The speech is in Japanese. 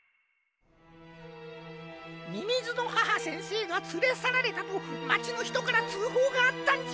みみずの母先生がつれさられたとまちのひとからつうほうがあったんじゃ。